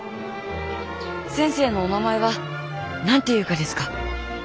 先生のお名前は何ていうがですか？